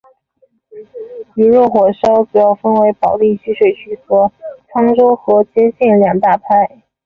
驴肉火烧主要分为保定徐水区和沧州河间县两大派。